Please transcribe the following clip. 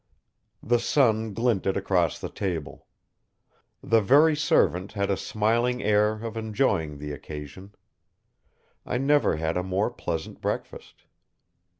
The sun glinted across the table. The very servant had a smiling air of enjoying the occasion. I never had a more pleasant breakfast.